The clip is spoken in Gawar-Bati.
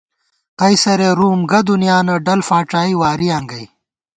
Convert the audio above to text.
قَیصرےرُوم گہ دُنیانہ، ڈل فاڄائی وارِیاں گئ